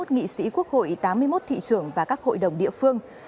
bảy mươi một nghị sĩ quốc hội tám mươi một thị trường và các hội đồng địa phương